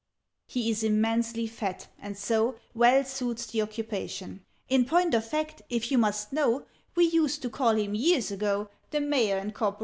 "He is immensely fat, and so Well suits the occupation: In point of fact, if you must know, We used to call him, years ago, The Mayor and Corporation!